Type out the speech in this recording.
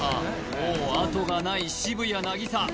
もうあとがない渋谷凪咲